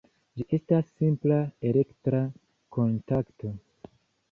Ĝi estas simpla elektra kontakto.